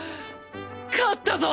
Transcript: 勝ったぞ！